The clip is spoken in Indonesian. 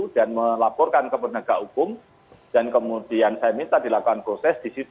dan melaporkan ke penegak hukum dan kemudian saya minta dilakukan proses disita uang itu